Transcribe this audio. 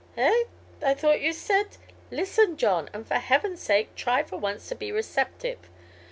"Eh? I thought you said " "Listen, John; and for heaven's sake try for once to be receptive.